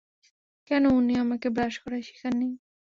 কেন উনি আমাকে ব্রাশ করা শিখাননি?